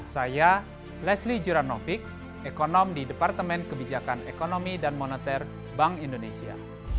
saya lesli juranovik ekonom di departemen kebijakan ekonomi dan moneter bank indonesia